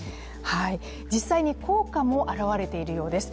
実際に効果も表れているようです。